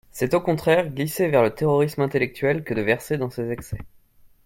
C’est, au contraire, glisser vers le terrorisme intellectuel que de verser dans ces excès.